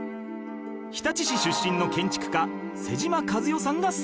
日立市出身の建築家妹島和世さんが設計